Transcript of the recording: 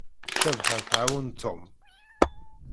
Cabḥa tɛawen Tom.